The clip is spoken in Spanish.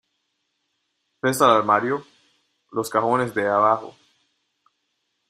¿ ves al armario? los cajones de abajo.